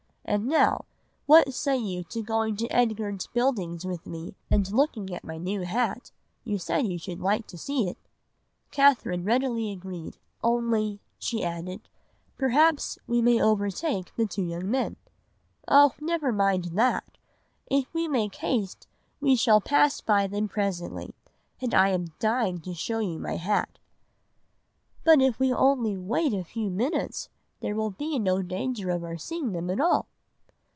And now, what say you to going to Edgar's Buildings with me and looking at my new hat? You said you should like to see it.' [Illustration: COWPER] "Catherine readily agreed. 'Only,' she added, 'perhaps we may overtake the two young men.' "'Oh! never mind that! If we make haste we shall pass by them presently, and I am dying to show you my hat.' "'But if we only wait a few minutes there will be no danger of our seeing them at all.